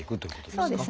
そうですね。